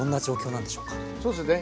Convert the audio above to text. そうですね。